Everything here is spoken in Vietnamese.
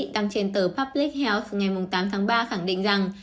đăng trên tờ publik health ngày tám tháng ba khẳng định rằng